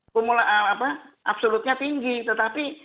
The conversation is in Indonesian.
kumul apa absolutnya tinggi tetapi